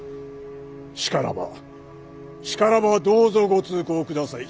しからばしからばどうぞご通行ください。